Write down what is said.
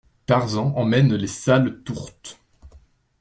Tarzan emmène les sales tourtes.